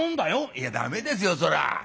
「いや駄目ですよそれは」。